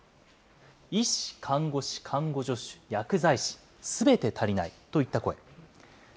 医師、看護師、看護助手、薬剤師、すべて足りないといった声。